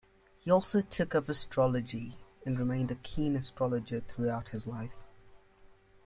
He also took up astrology, and remained a keen astrologer throughout his life.